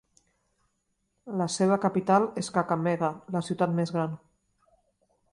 La seva capital és Kakamega, la ciutat més gran.